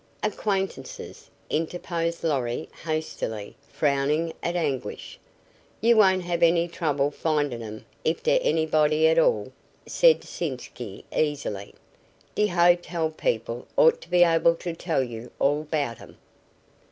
"Acquaintances," interposed Lorry, hastily, frowning at Anguish. "You won't have any trouble findin' 'em if dere anybody at all," said Sitzky, easily. "D' hotel people ought to be able to tell you all 'bout 'em."